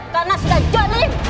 karena sudah jodoh